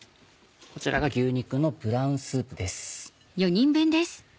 こちらが牛肉のブラウンスープです。